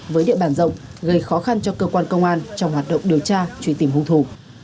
với địa bàn rộng gây khó khăn cho cơ quan công an trong hoạt động điều tra truy tìm hung thủ